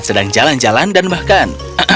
dia sedang berjalan jalan dan bahkan